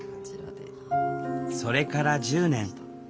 それから１０年。